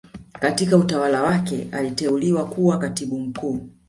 Katika utawala wake aliteuliwa kuwa katibu mkuu